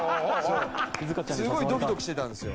すごいドキドキしてたんですよ。